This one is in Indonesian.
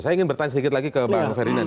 saya ingin bertanya sedikit lagi ke bang ferdinand